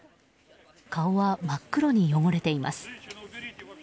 顔は真っ黒に汚れています。